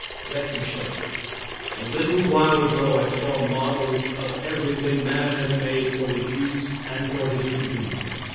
Let me show you. A little while ago I saw models of everything man has made for his use and for his convenience.